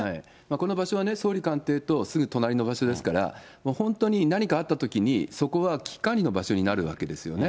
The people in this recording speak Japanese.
この場所はね、総理官邸とすぐ隣の場所ですから、本当に何かあったときに、そこは危機管理の場所になるわけですよね。